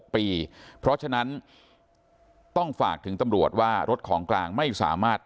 เพราะฉะนั้นต้องฝากถึงตำรวจว่ารถของกลางไม่สามารถ